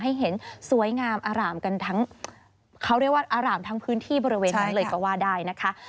ให้เห็นสวยงามอร่ามทั้งพื้นที่บริเวณนั้นเลยก็ว่าได้นะคะ